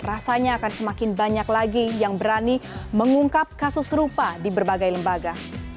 rasanya akan semakin banyak lagi yang berani mengungkap kasus serupa di berbagai lembaga